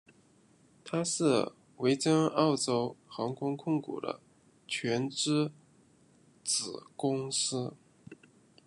它是维珍澳洲航空控股的全资子公司。